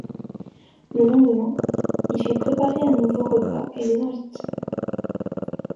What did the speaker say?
Le lendemain, il fait préparer un nouveau repas et les invite.